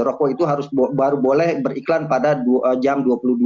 rokok itu harus baru boleh beriklan pada jam dua puluh dua